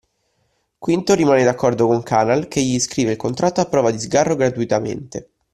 Quinto rimane d’accordo con Canal che gli scrive il contratto a prova di sgarro gratuitamente